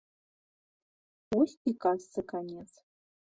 Вось і казцы канец.